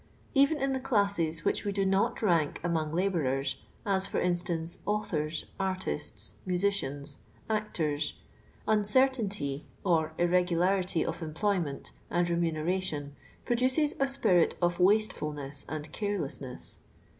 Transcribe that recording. Kven in the classes which we do not rank among laboareri, as, for instance, authors, artists, musi cians, actors, uncertainty or irregularity of cmploy f ment and remuneration produceH a spirit of waste fulness and carelcssnc&s.